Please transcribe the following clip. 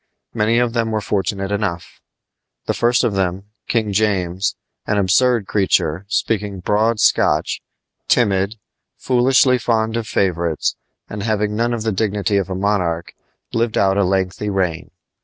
Many of them were fortunate enough. The first of them, King James, an absurd creature, speaking broad Scotch, timid, foolishly fond of favorites, and having none of the dignity of a monarch, lived out a lengthy reign.